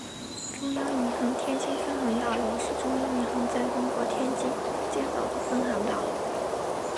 中央银行天津分行大楼是中央银行在中国天津建造的分行大楼。